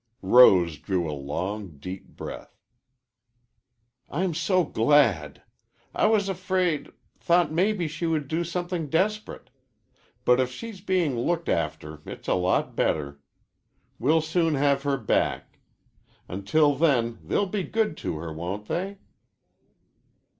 Rose drew a long, deep breath. "I'm so glad! I was afraid thought maybe she would do something desperate. But if she's being looked after it's a lot better. We'll soon have her back. Until then they'll be good to her, won't they?"